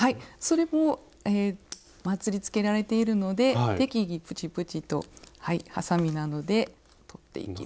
それもまつりつけられているので適宜プチプチとはさみなどで取っていきます。